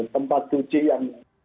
tempat cuci yang